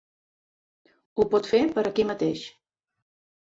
Ho pot fer per aquí mateix.